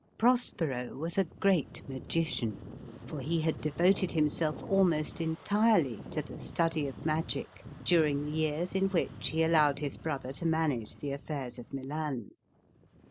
Prospero was a great magician, for he had devoted himself almost entirely to the study of magic during the years in which he allowed his brother to manage the affairs of Milan.